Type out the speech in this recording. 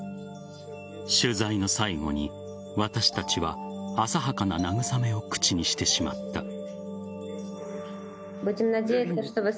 取材の最後に私たちは浅はかな慰めを口にしてしまった。